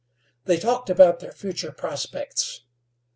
They talked about their future prospects.